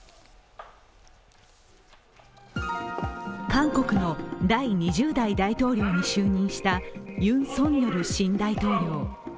韓国の第２０代大統領に就任したユン・ソンニョル新大統領。